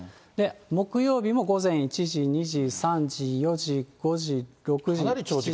木曜日も午前１時、２時、３時、４時、５時、６時。